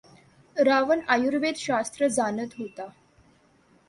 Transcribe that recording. रावण आयुर्वेद शास्त्र जाणत होता.